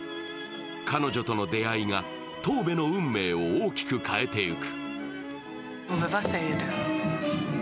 彼女との出会いがトーベの運命を大きく変えていく。